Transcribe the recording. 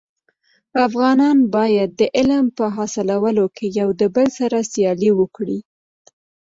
افغانان باید د علم په حاصلولو کي يو دبل سره سیالي وکړي.